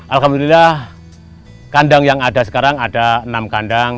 alhamdulillah kandang yang ada sekarang ada enam kandang